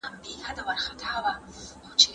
له ستړیا یې اندامونه رېږدېدله